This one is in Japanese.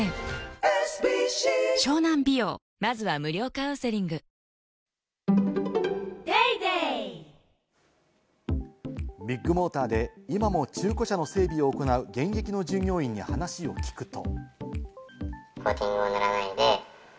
「サントリー天然水」ビッグモーターで今も中古車の整備を行う現役の従業員に話を聞くと。